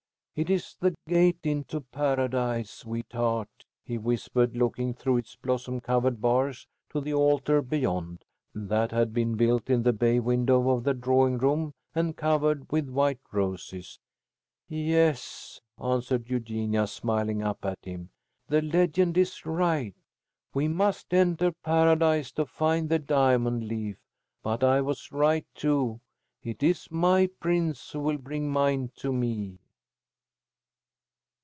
"It is the Gate into Paradise, sweetheart," he whispered, looking through its blossom covered bars to the altar beyond, that had been built in the bay window of the drawing room, and covered with white roses. "Yes," answered Eugenia, smiling up at him. "The legend is right. We must enter Paradise to find the diamond leaf. But I was right, too. It is my prince who will bring mine to me."